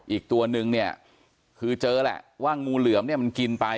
อีกตัวนึงเนี่ยคือเจอแหละว่างูเหลือมเนี่ยมันกินไป